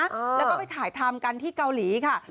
แล้วก็ไปถ่ายทำกันที่เกาหลีค่ะ